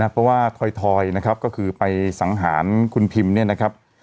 เพราะว่าถอยนะครับก็คือไปสังหารคุณพิมเนี่ยนะครับ